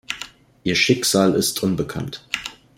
Ihr Schicksal ist unbekannt.